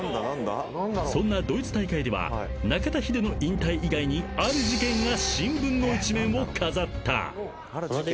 ［そんなドイツ大会では中田ヒデの引退以外にある事件が新聞の一面を飾った］